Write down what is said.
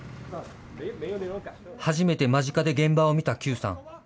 初めて間近で現場を見た邱さん。